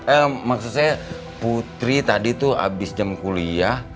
ehm maksud saya putri tadi tuh abis jam kuliah